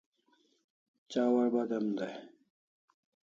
Chawar badem day